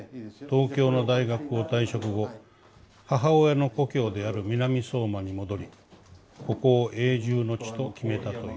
東京の大学を退職後母親の故郷である南相馬に戻りここを永住の地と決めたという。